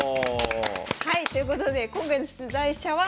はいということで今回の出題者は糸谷先生ですね。